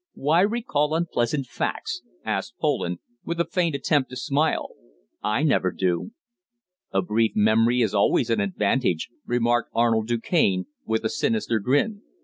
"Why recall unpleasant facts?" asked Poland, with a faint attempt to smile. "I never do." "A brief memory is always an advantage," remarked Arnold Du Cane, with a sinister grin.